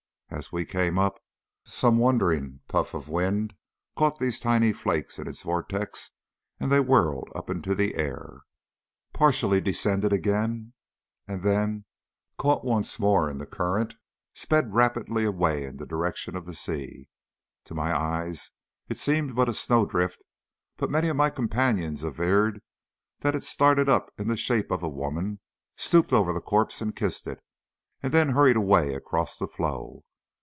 As we came up some wandering puff of wind caught these tiny flakes in its vortex, and they whirled up into the air, partially descended again, and then, caught once more in the current, sped rapidly away in the direction of the sea. To my eyes it seemed but a snow drift, but many of my companions averred that it started up in the shape of a woman, stooped over the corpse and kissed it, and then hurried away across the floe.